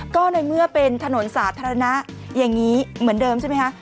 ก็ในเมื่อเป็นถนนสาธารณะอย่างนี้เหมือนเดิมใช่ไหมคะ